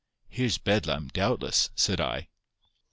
"Here's Bedlam, doubtless," said I.